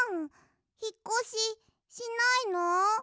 ひっこししないの？